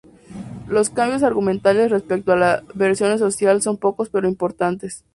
Los cambios argumentales respecto de la versión original son pocos pero importantes.